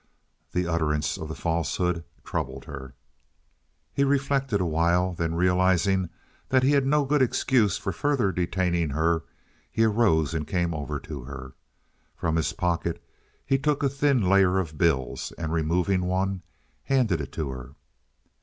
The utterance of the falsehood troubled her. He reflected awhile; then realizing that he had no good excuse for further detaining her, he arose and came over to her. From his pocket he took a thin layer of bills, and removing one, handed it to her.